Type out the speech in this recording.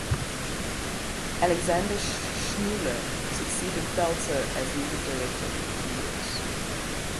Alexander Schmuller succeeded Felzer as music director, for two years.